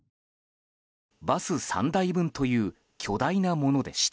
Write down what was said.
バス３台分という巨大なものでした。